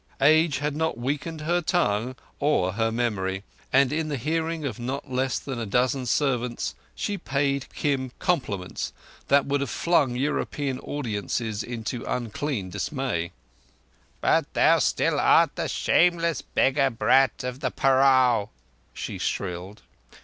Age had not weakened her tongue or her memory, and from a discreetly barred upper window, in the hearing of not less than a dozen servants, she paid Kim compliments that would have flung European audiences into unclean dismay. "But thou art still the shameless beggar brat of the parao," she shrilled.